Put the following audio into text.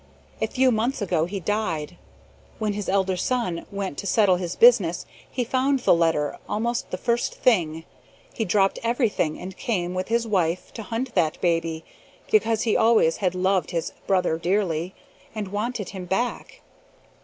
A few months ago he died. When his elder son went to settle his business, he found the letter almost the first thing. He dropped everything, and came, with his wife, to hunt that baby, because he always had loved his brother dearly, and wanted him back.